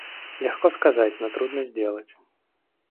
Легко сказать, но трудно сделать.